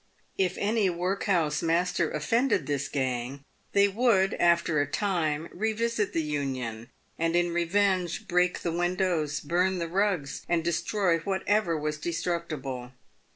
If any workhouse master offended this gang, they would, after a time, revisit the union, and in revenge break the windows, burn the rugs, and destroy what ever was destructible.